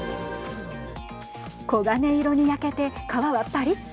黄金色に焼けて皮は、ぱりっ。